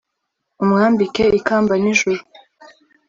umwambike ikamba nijuru